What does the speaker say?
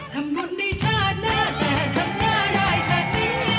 ทำบุญในชาติหน้าแก่ทำหน้าได้ชาตินี้